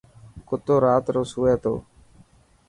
ڪتو رات رو سوي تيو.